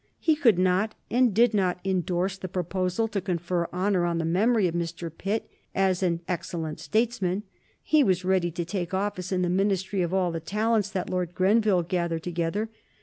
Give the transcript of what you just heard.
He could not and did not indorse the proposal to confer honor on the memory of Mr. Pitt as an "excellent statesman." He was ready to take office in the Ministry of All the Talents that Lord Grenville gathered together.